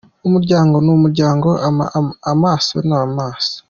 Umuryango ni umuryango, amaraso ni amaraso.